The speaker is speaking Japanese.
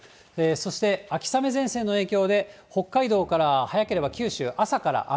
そして、秋雨前線の影響で、北海道から早ければ九州、朝から雨。